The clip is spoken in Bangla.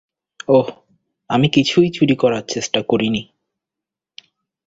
ওহ, আমি কিছুই চুরি করার চেষ্টা করিনি।